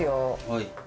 はい。